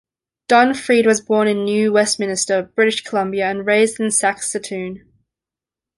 Don Freed was born in New Westminster, British Columbia and raised in Saskatoon.